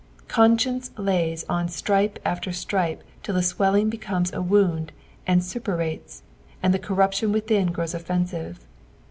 Conscience lays on stripe after stripe till the swelling becomes a wound and suppurates, and the corruption within grows offensive.